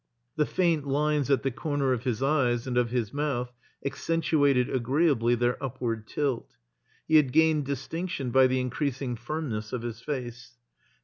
The faint lines at the comer of his eyes and of his mouth accentuated agree ably their upward tilt. He had gained distinction by the increasing firmness of his face.